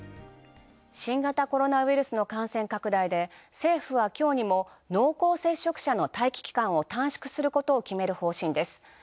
新型コロナウイルスの感染拡大で政府は今日にも濃厚接触者の待機期間を短縮することを決める方針です。